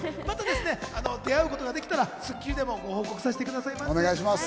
また出会うことができたら、『スッキリ』でもご報告させてください。